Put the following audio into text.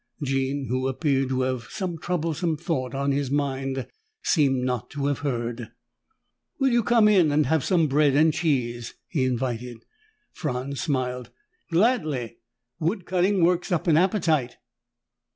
Jean, who appeared to have some troublesome thought on his mind, seemed not to have heard. "Will you come in and have some bread and cheese?" he invited. Franz smiled. "Gladly. Wood cutting works up an appetite."